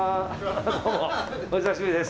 どうも、お久しぶりです。